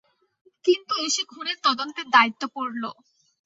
কিন্তু এসে খুনের তদন্তের দায়িত্ব পড়ল।